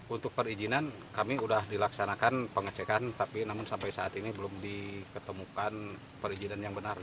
untuk perizinan kami sudah dilaksanakan pengecekan tapi namun sampai saat ini belum diketemukan perizinan yang benar